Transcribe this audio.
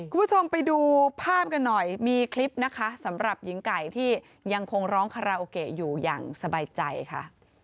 คุณผู้ชมไปดูภาพกันหน่อยมีคลิปนะคะสำหรับหญิงไก่ที่ยังคงร้องคาราโอเกะอยู่อย่างสบายใจค่ะ